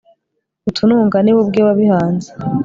utununga ni we ubwe wabihanze